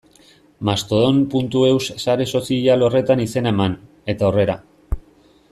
Mastodon.eus sare sozial horretan izena eman, eta aurrera.